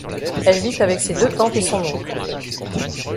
Elle vit avec ses deux tantes et son oncle.